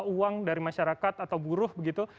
uang dari masyarakat atau buruh begitu